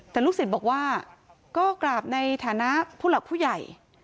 แต่ลูกศิษย์บอกว่าก็กราบในฐานะผู้หลักผู้ใหญ่